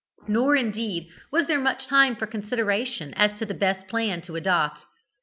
Nor, indeed, was there much time for consideration as to the best plan to adopt.